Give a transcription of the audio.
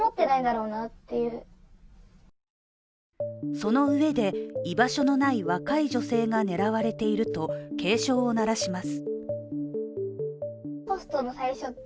そのうえで、居場所のない若い女性が狙われていると警鐘を鳴らします。